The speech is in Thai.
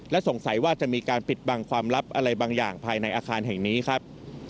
สงสัยว่าจะมีการปิดบังความลับอะไรบางอย่างภายในอาคารแห่งนี้ครับ